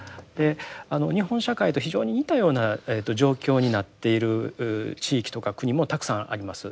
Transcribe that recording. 日本社会と非常に似たような状況になっている地域とか国もたくさんあります。